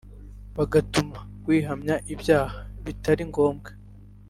bigatuma wihamya ibyaha bitari ngombwa